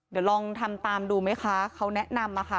เดี๋ยวลองทำตามดูไหมคะเขาแนะนำมาค่ะ